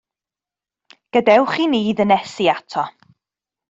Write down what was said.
Gadewch i ni ddynesu ato.